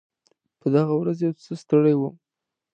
په دغه ورځ یو څه ستړی وم.